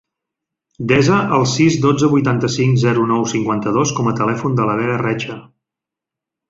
Desa el sis, dotze, vuitanta-cinc, zero, nou, cinquanta-dos com a telèfon de la Vera Reche.